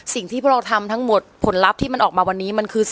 สิ่งที่พวกเราทำทั้งหมดผลลัพธ์ที่มันออกมาวันนี้มันคือ